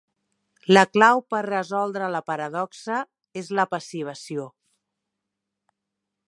La clau per resoldre la paradoxa és la passivació.